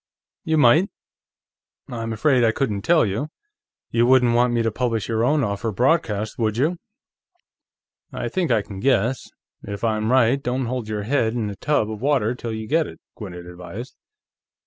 "You might; I'm afraid I couldn't tell you. You wouldn't want me to publish your own offer broadcast, would you?" "I think I can guess. If I'm right, don't hold your head in a tub of water till you get it," Gwinnett advised.